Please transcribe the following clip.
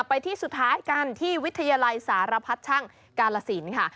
ไปที่สุดท้ายกันที่วิทยาลัยสารพัดช่างกาลสินค่ะ